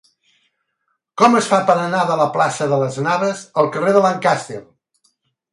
Com es fa per anar de la plaça de Las Navas al carrer de Lancaster?